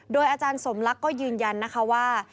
โดยอาจารย์สมลักษณ์ก็ยืนยันนะคะว่า